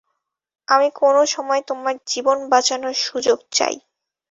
আমি কোনো সময় তোমার জীবন বাঁচানোর সুযোগ চাই।